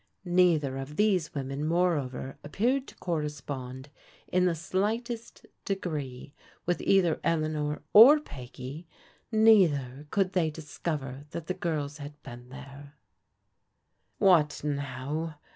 Neither of these women moreover appeared to correspond in the slightest degree with either Eleanor or Peggy, neither could they discover that the prls had been there, "What now?"